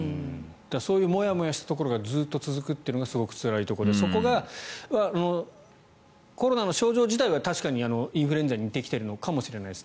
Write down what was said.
そういうもやもやしたところがずっと続くのがつらいところでそこがコロナの症状自体は確かにインフルエンザに似てきているのかもしれないです。